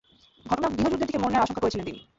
ঘটনা গৃহযুদ্ধের দিকে মোড় নেয়ার আশঙ্কা করছিলেন তিনি।